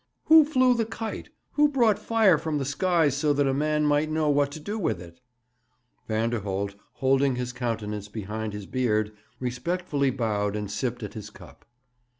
'Who flew the kite? Who brought fire from the skies so that a man might know what to do with it?' Vanderholt, holding his countenance behind his beard, respectfully bowed and sipped at his cup.